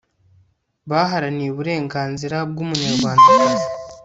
baharaniye uburenganzira bw'umunyarwandakazi